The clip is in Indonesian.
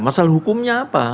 masalah hukumnya apa